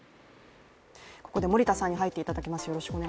ここで森田さんに入っていただきます。